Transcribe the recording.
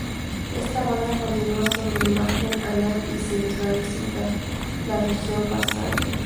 Esta banda continúa sobre el margen anal y se desvanece hasta la región basal.